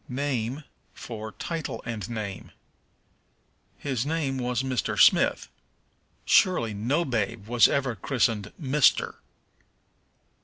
Name for Title and Name. "His name was Mr. Smith." Surely no babe was ever christened Mister.